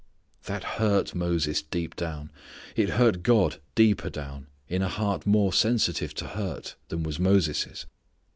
That hurt Moses deep down. It hurt God deeper down, in a heart more sensitive to hurt than was Moses'.